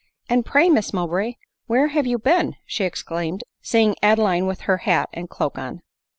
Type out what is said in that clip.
" And pray, Miss Mowbray, where have you been ?" she exclaimed, seeing Adeline with her hat and cloak on.